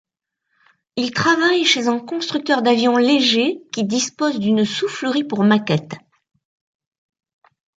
Il travaille chez un constructeur d'avions légers qui dispose d'une soufflerie pour maquettes.